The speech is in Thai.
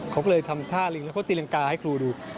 เขาก็เลยทำท่าลิงแล้วเขาตีรังกาให้ครูดู